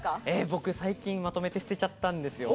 僕最近まとめて捨てちゃったんですよ。